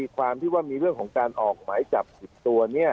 ความที่ว่ามีเรื่องของการออกหมายจับ๑๐ตัว